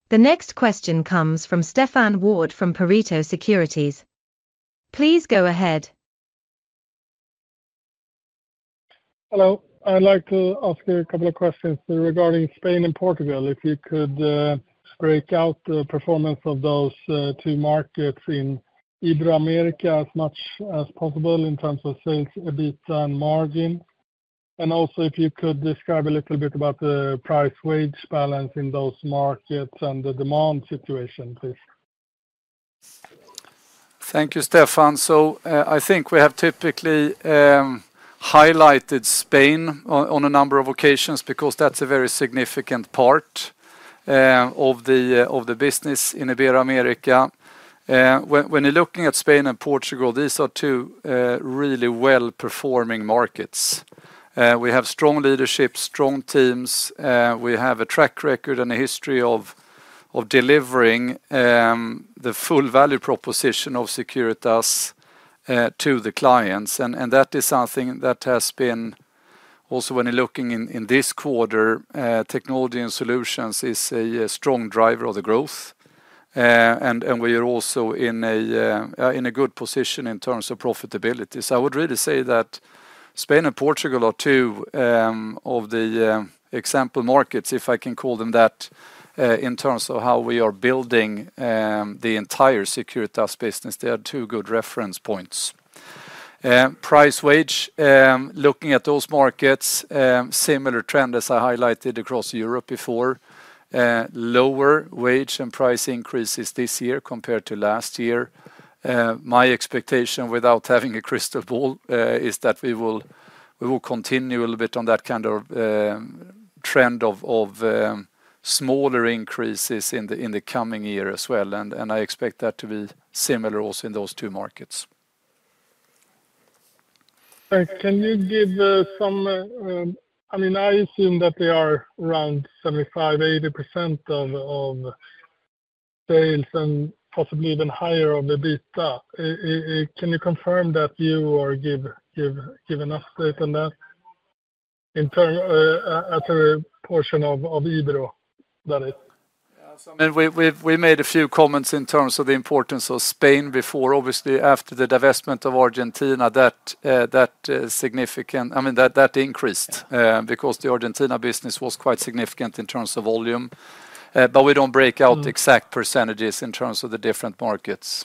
The next question comes from Stefan Wård from Pareto Securities. Please go ahead.
Hello. I'd like to ask you a couple of questions regarding Spain and Portugal. If you could break out the performance of those two markets in Iberoamerica as much as possible in terms of sales, EBITDA, and margin? And also if you could describe a little bit about the price-wage balance in those markets and the demand situation, please?
Thank you, Stefan. So I think we have typically highlighted Spain on a number of occasions because that's a very significant part of the business in Iberoamerica. When you're looking at Spain and Portugal, these are two really well-performing markets. We have strong leadership, strong teams. We have a track record and a history of delivering the full value proposition of Securitas to the clients. And that is something that has been also when you're looking in this quarter, Technology and Solutions is a strong driver of the growth. We are also in a good position in terms of profitability. I would really say that Spain and Portugal are two of the example markets, if I can call them that, in terms of how we are building the entire Securitas business. They are two good reference points. Price-wage, looking at those markets, similar trend as I highlighted across Europe before. Lower wage and price increases this year compared to last year. My expectation without having a crystal ball is that we will continue a little bit on that kind of trend of smaller increases in the coming year as well. I expect that to be similar also in those two markets.
Can you give some? I mean, I assume that they are around 75%-80% of sales and possibly even higher of EBITDA. Can you confirm that view or give an update on that in terms as a portion of Ibero that is?
Yeah, so I mean, we made a few comments in terms of the importance of Spain before, obviously, after the divestment of Argentina, that significant, I mean, that increased because the Argentina business was quite significant in terms of volume. But we don't break out exact percentages in terms of the different markets.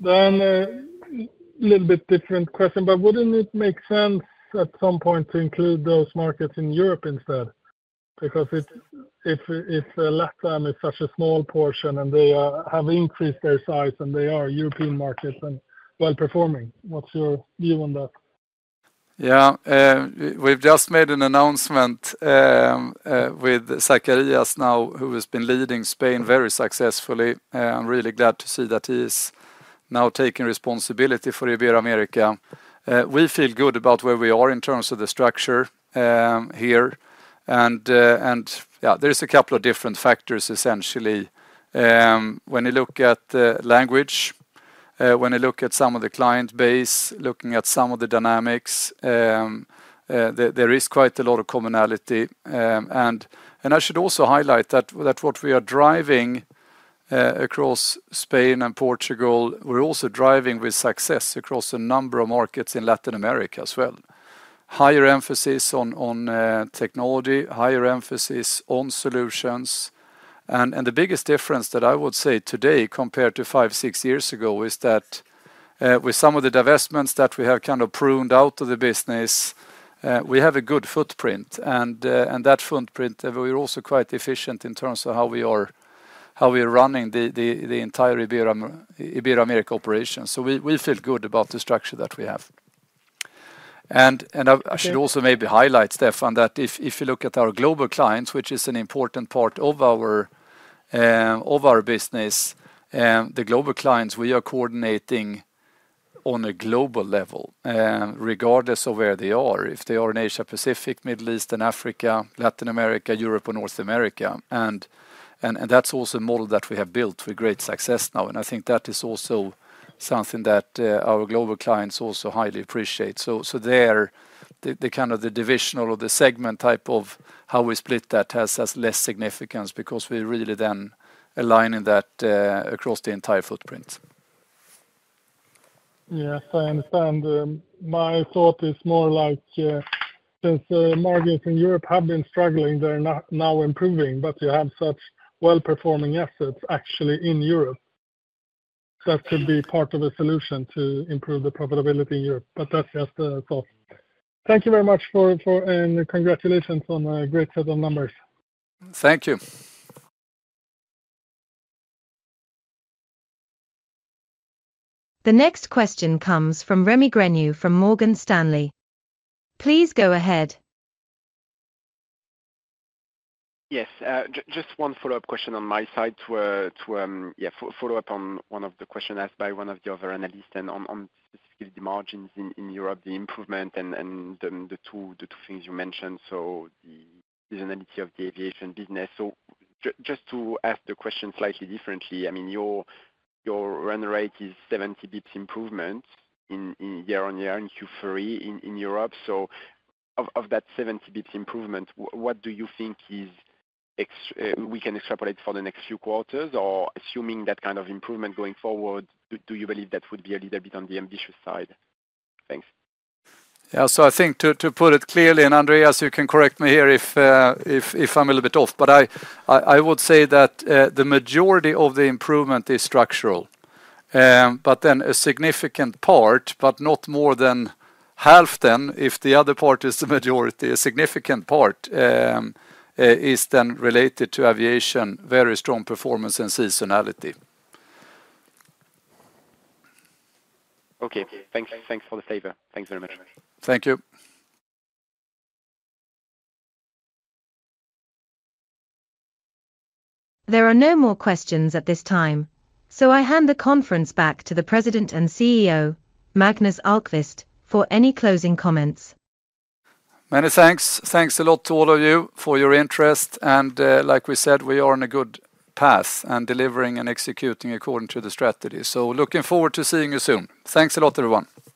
Then a little bit different question, but wouldn't it make sense at some point to include those markets in Europe instead? Because if Latin America is such a small portion and they have increased their size and they are European markets and well-performing, what's your view on that?
Yeah, we've just made an announcement with Zacarías now, who has been leading Spain very successfully. I'm really glad to see that he is now taking responsibility for Iberoamerica. We feel good about where we are in terms of the structure here. And yeah, there's a couple of different factors essentially. When you look at language, when you look at some of the client base, looking at some of the dynamics, there is quite a lot of commonality. And I should also highlight that what we are driving across Spain and Portugal, we're also driving with success across a number of markets in Latin America as well. Higher emphasis on technology, higher emphasis on solutions. And the biggest difference that I would say today compared to five, six years ago is that with some of the divestments that we have kind of pruned out of the business, we have a good footprint. And that footprint, we're also quite efficient in terms of how we are running the entire Iberoamerica operation. So we feel good about the structure that we have, and I should also maybe highlight, Stefan, that if you look at our global clients, which is an important part of our business, the global clients we are coordinating on a global level, regardless of where they are, if they are in Asia-Pacific, Middle East, and Africa, Latin America, Europe, or North America, and that's also a model that we have built with great success now, and I think that is also something that our global clients also highly appreciate. So there, the kind of the divisional or the segment type of how we split that has less significance because we really then align in that across the entire footprint.
Yes, I understand. My thought is more like since the margins in Europe have been struggling, they're now improving, but you have such well-performing assets actually in Europe that could be part of a solution to improve the profitability in Europe. But that's just a thought. Thank you very much for and congratulations on a great set of numbers.
Thank you.
The next question comes from Rémy Grenu from Morgan Stanley. Please go ahead.
Yes, just one follow-up question on my side to follow up on one of the questions asked by one of the other analysts and on specifically the margins in Europe, the improvement and the two things you mentioned, so the seasonality of the aviation business. So just to ask the question slightly differently, I mean, your run rate is 70 basis points improvement year on year in Q3 in Europe. So of that 70 basis points improvement, what do you think we can extrapolate for the next few quarters? Or assuming that kind of improvement going forward, do you believe that would be a little bit on the ambitious side? Thanks.
Yeah, so I think to put it clearly, and Andreas, you can correct me here if I'm a little bit off, but I would say that the majority of the improvement is structural. But then a significant part, but not more than half then, if the other part is the majority, a significant part is then related to aviation, very strong performance and seasonality.
Okay, thanks for the favor. Thanks very much.
Thank you.
There are no more questions at this time, so I hand the conference back to the President and CEO, Magnus Ahlqvist, for any closing comments.
Many thanks.
Thanks a lot to all of you for your interest, and like we said, we are on a good path and delivering and executing according to the strategy, so looking forward to seeing you soon. Thanks a lot, everyone.